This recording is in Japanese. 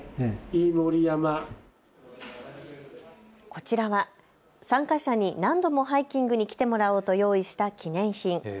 こちらは参加者に何度もハイキングに来てもらおうと用意した記念品。